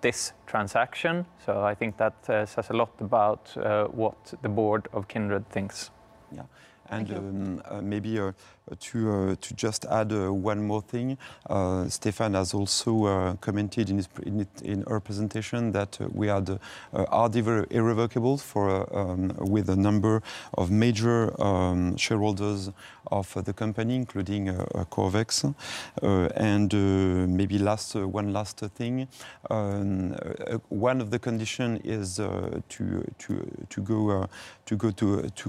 [SPEAKER 2] this transaction. So I think that says a lot about what the board of Kindred thinks.
[SPEAKER 3] Yeah.
[SPEAKER 1] Thank you.
[SPEAKER 3] Maybe to just add one more thing, Stéphane has also commented in our presentation that we had irrevocable commitments with a number of major shareholders of the company, including Corvex. And maybe last, one last thing. One of the condition is to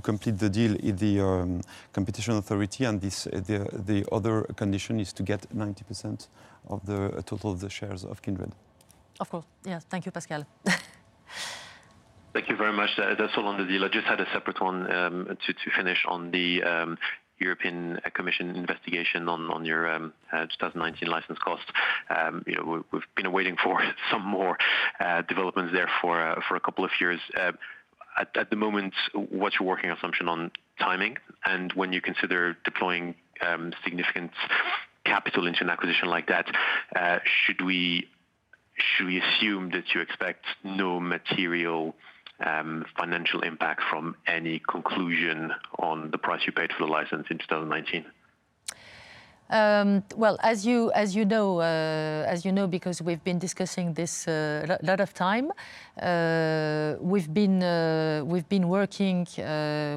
[SPEAKER 3] complete the deal in the competition authority, and the other condition is to get 90% of the total of the shares of Kindred.
[SPEAKER 1] Of course. Yeah. Thank you, Pascal.
[SPEAKER 6] Thank you very much. That's all on the deal. I just had a separate one to finish on the European Commission investigation on your 2019 license cost. You know, we've been waiting for some more developments there for a couple of years. At the moment, what's your working assumption on timing? And when you consider deploying significant capital into an acquisition like that, should we assume that you expect no material financial impact from any conclusion on the price you paid for the license in 2019?
[SPEAKER 1] Well, as you know, because we've been discussing this a lot of time, we've been working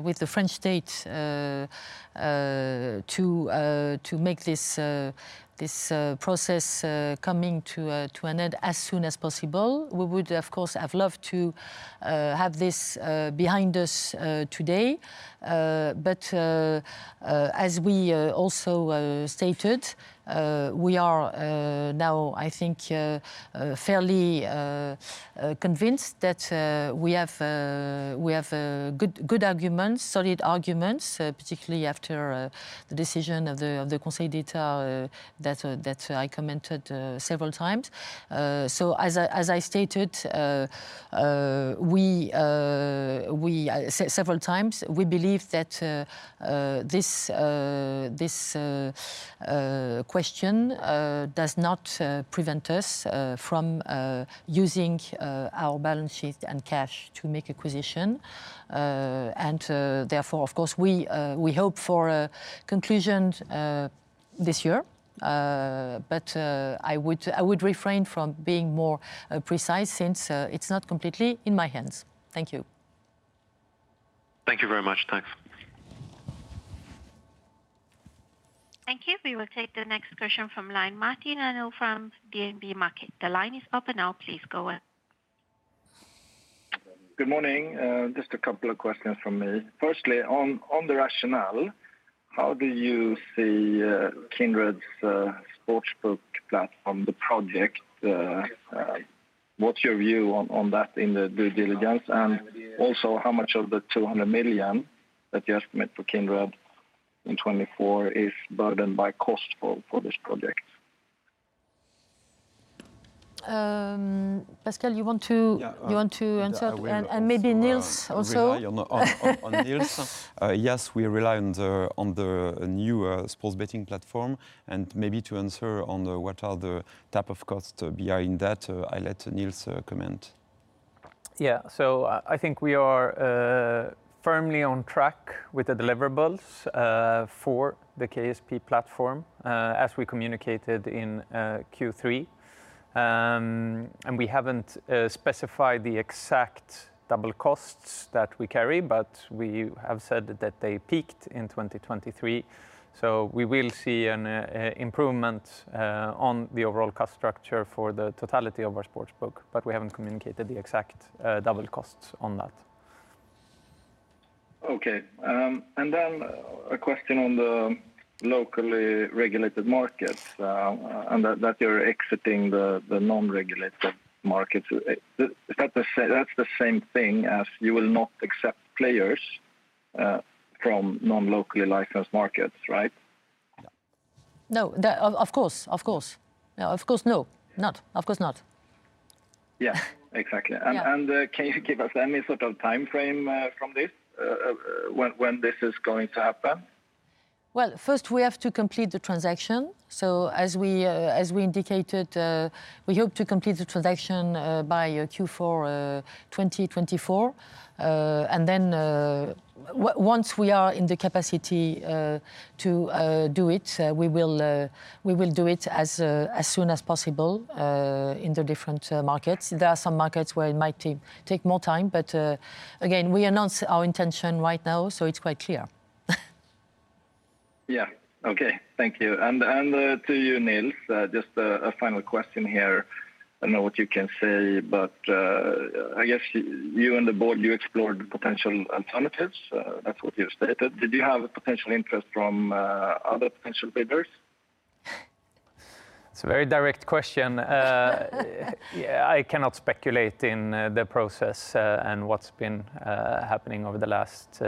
[SPEAKER 1] with the French state to make this process coming to an end as soon as possible. We would, of course, have loved to have this behind us today. But as we also stated, we are now, I think, fairly convinced that we have good, solid arguments, particularly after the decision of the Conseil d'État, that I commented several times. So as I stated several times, we believe that this question does not prevent us from using our balance sheet and cash to make acquisition. And therefore, of course, we hope for a conclusion this year. But I would refrain from being more precise since it's not completely in my hands. Thank you.
[SPEAKER 7] Thank you very much. Thanks.
[SPEAKER 4] Thank you. We will take the next question from line, Martin Arnell from DNB Markets. The line is open now. Please go ahead.
[SPEAKER 8] Good morning. Just a couple of questions from me. Firstly, on the rationale, how do you see Kindred's sportsbook platform, the project? What's your view on that in the due diligence? And also, how much of the 200 million that you estimate for Kindred in 2024 is burdened by cost for this project?
[SPEAKER 1] Pascal, you want to-
[SPEAKER 3] Yeah, uh-
[SPEAKER 1] You want to answer?
[SPEAKER 3] I will also-
[SPEAKER 1] Maybe Nils also.
[SPEAKER 3] ...rely on Nils. Yes, we rely on the new sports betting platform. And maybe to answer what are the type of costs behind that, I let Nils comment.
[SPEAKER 2] Yeah. So I, I think we are firmly on track with the deliverables for the KSP platform as we communicated in Q3. And we haven't specified the exact double costs that we carry, but we have said that they peaked in 2023. So we will see an improvement on the overall cost structure for the totality of our sportsbook, but we haven't communicated the exact double costs on that.
[SPEAKER 8] Okay. And then a question on the locally regulated markets, and that you're exiting the non-locally regulated markets. Is that the same thing as you will not accept players from non-locally licensed markets, right?
[SPEAKER 1] No, of course. No, of course not.
[SPEAKER 8] Yeah, exactly.
[SPEAKER 1] Yeah.
[SPEAKER 8] Can you give us any sort of timeframe from this when this is going to happen?
[SPEAKER 1] Well, first, we have to complete the transaction. So as we indicated, we hope to complete the transaction by Q4 2024. And then, once we are in the capacity to do it, we will do it as soon as possible in the different markets. There are some markets where it might take more time, but again, we announce our intention right now, so it's quite clear.
[SPEAKER 8] Yeah. Okay. Thank you. And to you, Nils, just a final question here. I don't know what you can say, but I guess you and the board explored the potential alternatives. That's what you've stated. Did you have a potential interest from other potential bidders?
[SPEAKER 2] It's a very direct question. I cannot speculate in the process and what's been happening over the last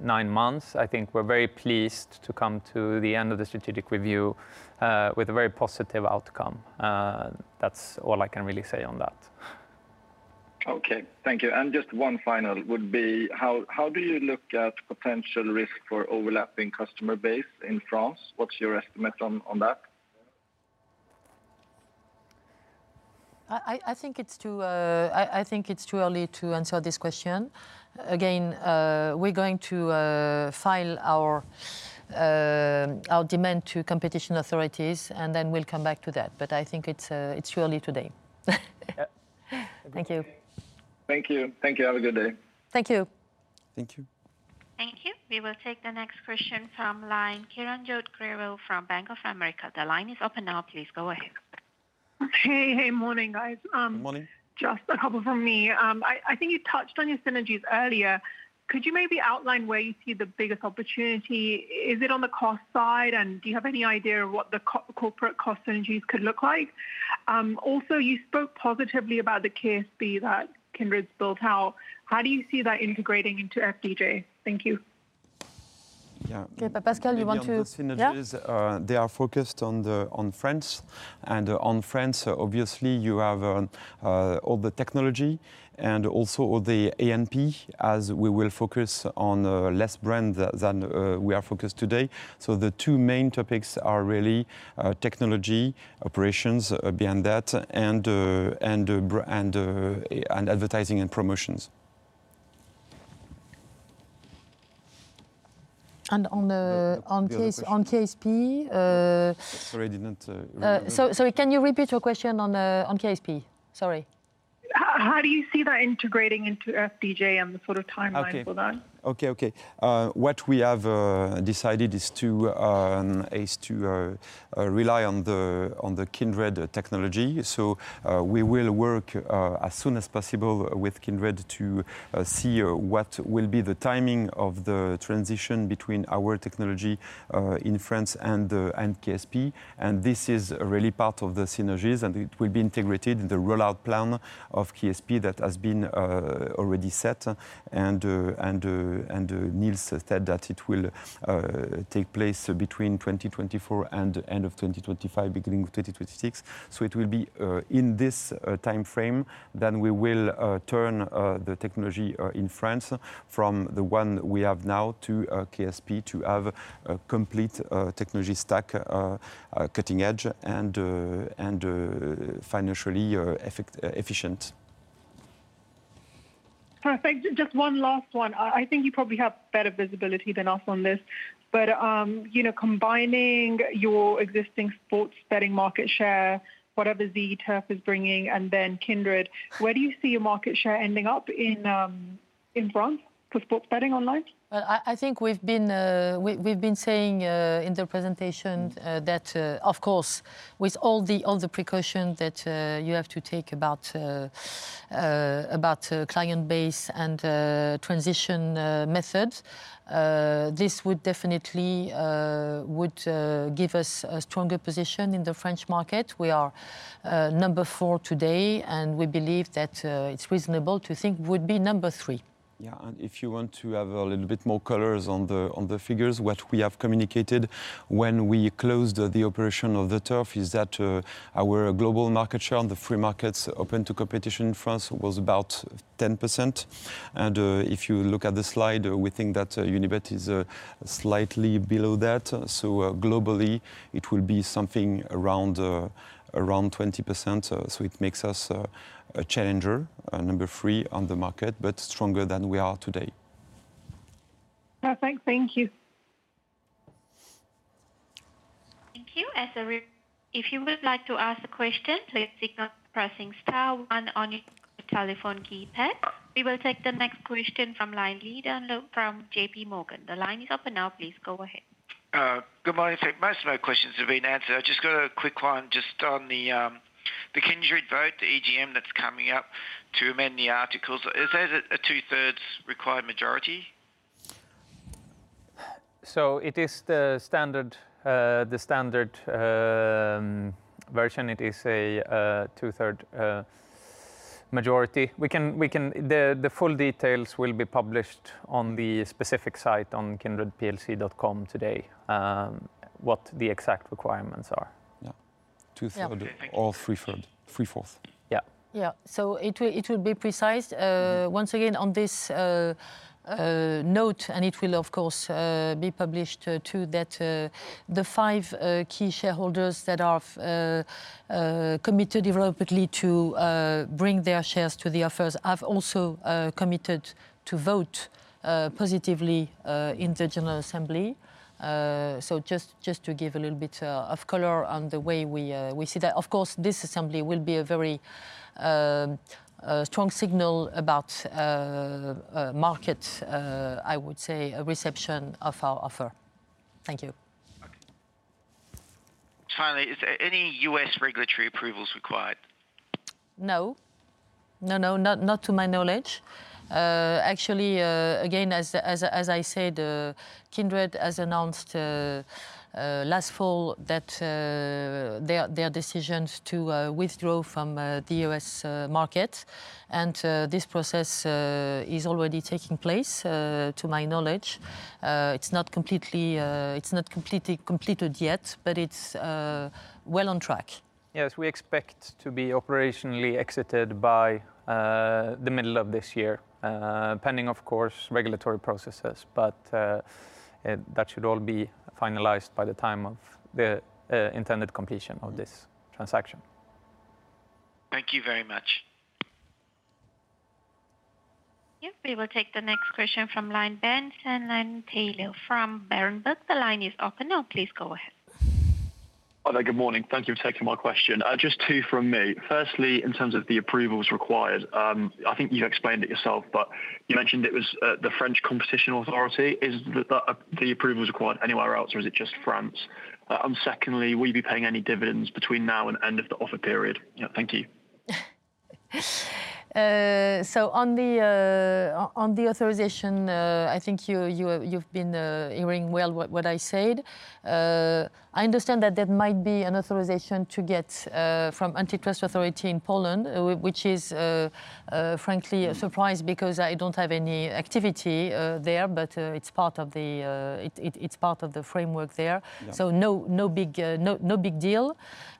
[SPEAKER 2] nine months. I think we're very pleased to come to the end of the strategic review with a very positive outcome. That's all I can really say on that.
[SPEAKER 8] Okay. Thank you. And just one final would be, how do you look at potential risk for overlapping customer base in France? What's your estimate on that?
[SPEAKER 1] I think it's too early to answer this question. Again, we're going to file our demand to competition authorities, and then we'll come back to that. But I think it's too early today.
[SPEAKER 2] Yeah.
[SPEAKER 1] Thank you.
[SPEAKER 8] Thank you. Thank you. Have a good day.
[SPEAKER 1] Thank you.
[SPEAKER 3] Thank you.
[SPEAKER 4] Thank you. We will take the next question from line, Kiranjot Grewal from Bank of America. The line is open now. Please go ahead.
[SPEAKER 7] Hey, hey, morning, guys.
[SPEAKER 3] Morning.
[SPEAKER 7] Just a couple from me. I think you touched on your synergies earlier. Could you maybe outline where you see the biggest opportunity? Is it on the cost side? And do you have any idea of what the corporate cost synergies could look like? Also, you spoke positively about the KSP that Kindred's built out. How do you see that integrating into FDJ? Thank you.
[SPEAKER 3] Yeah.
[SPEAKER 1] Yeah, Pascal, do you want to-
[SPEAKER 3] On the synergies-
[SPEAKER 1] Yeah...
[SPEAKER 3] they are focused on the, on France. And on France, obviously, you have all the technology and also all the A&P, as we will focus on less brand than we are focused today. So the two main topics are really technology, operations beyond that, and advertising and promotions.
[SPEAKER 1] And on KSP-
[SPEAKER 3] Sorry, I didn't,
[SPEAKER 1] So, sorry, can you repeat your question on KSP? Sorry.
[SPEAKER 7] How do you see that integrating into FDJ and the sort of timeline for that?
[SPEAKER 3] Okay. Okay, okay. What we have decided is to rely on the Kindred technology. So, we will work as soon as possible with Kindred to see what will be the timing of the transition between our technology in France and KSP. And this is really part of the synergies, and it will be integrated in the rollout plan of KSP that has been already set. And Nils said that it will take place between 2024 and end of 2025, beginning of 2026. So it will be in this timeframe, then we will turn the technology in France from the one we have now to KSP to have a complete technology stack, a cutting-edge and financially effective efficient.
[SPEAKER 7] Perfect. Just one last one. I think you probably have better visibility than us on this, but, you know, combining your existing sports betting market share, whatever ZEturf is bringing, and then Kindred, where do you see your market share ending up in, in France for sports betting online?
[SPEAKER 1] Well, I think we've been saying in the presentation that of course with all the precaution that you have to take about client base and transition methods, this would definitely give us a stronger position in the French market. We are number four today, and we believe that it's reasonable to think we would be number three.
[SPEAKER 3] Yeah, and if you want to have a little bit more colors on the figures, what we have communicated when we closed the operation of ZEturf is that our global market share on the free markets open to competition in France was about 10%. And if you look at the slide, we think that Unibet is slightly below that. So globally, it will be something around 20%. So it makes us a challenger number three on the market but stronger than we are today.
[SPEAKER 7] Perfect. Thank you.
[SPEAKER 4] Thank you. If you would like to ask a question, please press star one on your telephone keypad. We will take the next question from Estelle Weingrod from JPMorgan. The line is open now. Please go ahead.
[SPEAKER 9] Good morning. In fact, most of my questions have been answered. I've just got a quick one, just on the, the Kindred vote, the EGM that's coming up to amend the articles. Is there a two-thirds required majority?
[SPEAKER 2] So it is the standard version. It is a two-thirds majority. The full details will be published on the specific site on kindredplc.com today, what the exact requirements are.
[SPEAKER 3] Yeah.
[SPEAKER 9] Yeah.
[SPEAKER 3] 2/3 or 3/4.
[SPEAKER 2] Yeah.
[SPEAKER 1] Yeah. So it will be precise. Once again, on this note, and it will, of course, be published too, that the five key shareholders that are committed rapidly to bring their shares to the offers, have also committed to vote positively in the General Assembly. So just to give a little bit of color on the way we see that, of course, this assembly will be a very strong signal about a market, I would say, a reception of our offer. Thank you.
[SPEAKER 3] Okay.
[SPEAKER 9] Finally, is there any U.S. regulatory approvals required?
[SPEAKER 1] No. No, not to my knowledge. Actually, again, as I said, Kindred has announced last fall that their decisions to withdraw from the U.S. market. And this process is already taking place to my knowledge. It's not completely completed yet, but it's well on track.
[SPEAKER 2] Yes, we expect to be operationally exited by the middle of this year, pending, of course, regulatory processes. But, that should all be finalized by the time of the intended completion of this transaction.
[SPEAKER 9] Thank you very much.
[SPEAKER 4] Yeah. We will take the next question from line Jack Cummings from Berenberg. The line is open now. Please go ahead.
[SPEAKER 10] Hello, good morning. Thank you for taking my question. Just two from me. Firstly, in terms of the approvals required, I think you explained it yourself, but you mentioned it was the French Competition Authority. Is the approval required anywhere else, or is it just France? And secondly, will you be paying any dividends between now and end of the offer period? Yeah. Thank you.
[SPEAKER 1] So on the authorization, I think you've been hearing well what I said. I understand that there might be an authorization to get from antitrust authority in Poland, which is frankly a surprise because I don't have any activity there, but it's part of the framework there.
[SPEAKER 3] Yeah.
[SPEAKER 1] So, no big deal.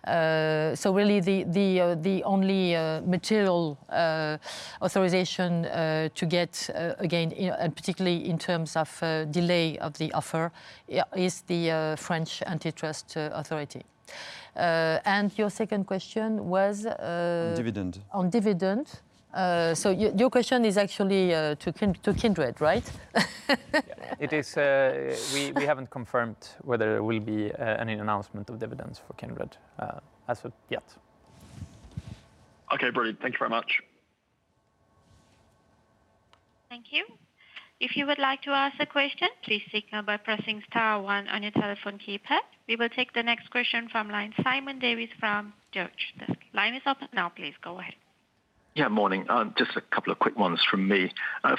[SPEAKER 1] So really, the only material authorization to get again and particularly in terms of delay of the offer, yeah, is the French Antitrust Authority. And your second question was,
[SPEAKER 3] On dividend.
[SPEAKER 1] On dividend. So your question is actually to Kindred, right?
[SPEAKER 2] Yeah. It is, we haven't confirmed whether there will be any announcement of dividends for Kindred, as of yet.
[SPEAKER 10] Okay, brilliant. Thank you very much.
[SPEAKER 4] Thank you. If you would like to ask a question, please signal by pressing star one on your telephone keypad. We will take the next question from line, Simon Davies from Deutsche. The line is open now, please go ahead.
[SPEAKER 11] Yeah, morning. Just a couple of quick ones from me.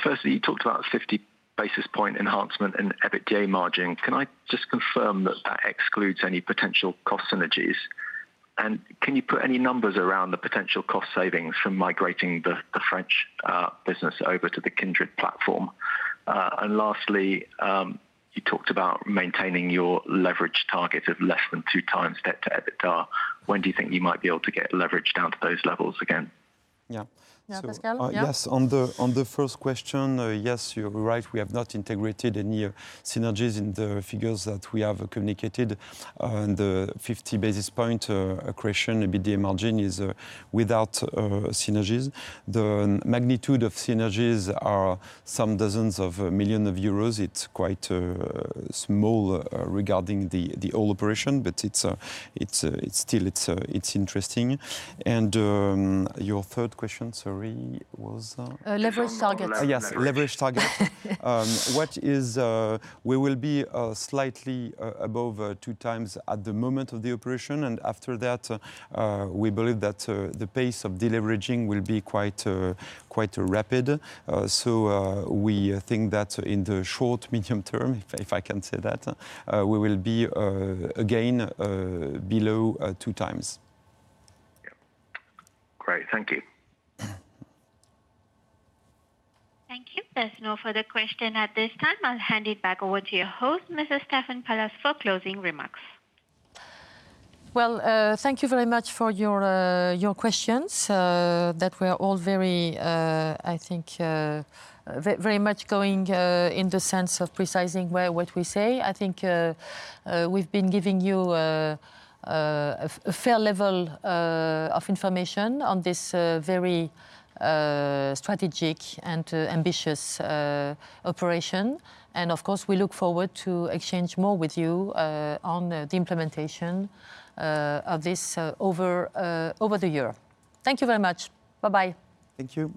[SPEAKER 11] Firstly, you talked about 50 basis points enhancement in EBITDA margin. Can I just confirm that that excludes any potential cost synergies? And can you put any numbers around the potential cost savings from migrating the, the French business over to the Kindred platform? And lastly, you talked about maintaining your leverage target of less than 2x debt to EBITDA. When do you think you might be able to get leverage down to those levels again?
[SPEAKER 3] Yeah.
[SPEAKER 1] Yeah, Pascal?
[SPEAKER 3] So, yes, on the first question, yes, you're right, we have not integrated any synergies in the figures that we have communicated. And the 50 basis point accretion, EBITDA margin, is without synergies. The magnitude of synergies are some dozens of million EUR. It's quite small regarding the old operation, but it's still interesting. And your third question, sorry, was-
[SPEAKER 1] Leverage target.
[SPEAKER 11] Leverage.
[SPEAKER 3] Yes, leverage target. We will be slightly above two times at the moment of the operation, and after that, we believe that the pace of deleveraging will be quite rapid. So, we think that in the short, medium term, if I can say that, we will be again below two times.
[SPEAKER 11] Yeah. Great, thank you.
[SPEAKER 4] Thank you. There's no further question at this time. I'll hand it back over to your host, Mrs. Stéphane Pallez, for closing remarks.
[SPEAKER 1] Well, thank you very much for your questions that were all very, I think, very much going in the sense of precising well what we say. I think we've been giving you a fair level of information on this very strategic and ambitious operation. And of course, we look forward to exchange more with you on the implementation of this over the year. Thank you very much. Bye-bye.
[SPEAKER 3] Thank you.